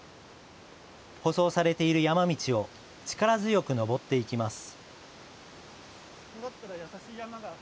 舗装されている山道を力強く登っていきます。